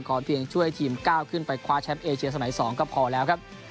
เพียงช่วยทีมก้าวขึ้นไปคว้าแชมป์เอเชียสมัย๒ก็พอแล้วครับ